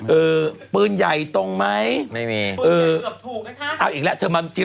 อืมปืนใหญ่ตรงไหมไม่มีอืมปืนใหญ่เกือบถูกนะคะเอาอีกแล้วเธอมาจริง